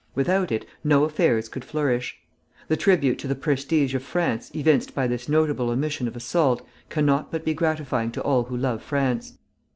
Without it, no affairs could flourish. The tribute to the prestige of France evinced by this notable omission of assault cannot but be gratifying to all who love France.